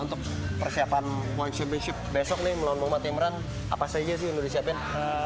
bung untuk persiapan one championship besok nih melawan muhammad imran apa saja sih yang sudah disiapkan